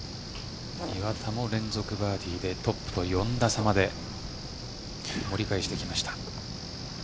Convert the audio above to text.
岩田も連続バーディーでトップと４打差まで盛り返してきました。